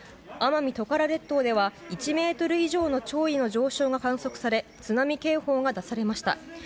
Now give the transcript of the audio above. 奄美トカラ列島では１ｍ以上の潮位の上昇が観測され津波警報が出されました。